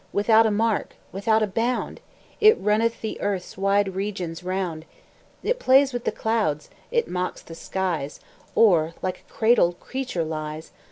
Without a mark, without a bound, It runneth the earth's wide regions 'round; It plays with the clouds; it mocks the skies; Or like a cradled creature lies.